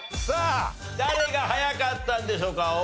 さあ誰が早かったんでしょうか？